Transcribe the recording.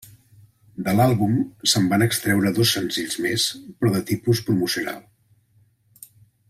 De l'àlbum se'n van extreure dos senzills més però de tipus promocional.